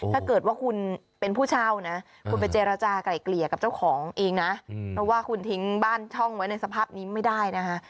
ถ้าเกิดว่าคุณเป็นผู้เช่านะคุณไปเจรจากลายเกลี่ยกับเจ้าของเองนะเพราะว่าคุณทิ้งบ้านช่องไว้ในสภาพนี้ไม่ได้นะคะ